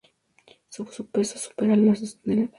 Su peso supera las dos toneladas.